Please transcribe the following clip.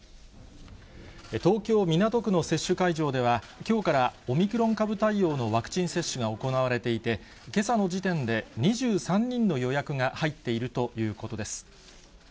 東京・港区の接種会場では、きょうからオミクロン株対応のワクチン接種が行われていて、けさの時点で２３人の予約が入っているということです。